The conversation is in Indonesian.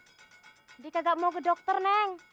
nanti kagak mau ke dokter neng